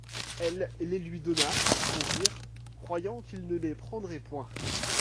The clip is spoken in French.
Elle les lui donna, pour rire, croyant qu’il ne les prendrait point.